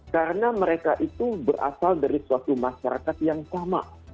karena mereka itu berasal dari suatu masyarakat yang sama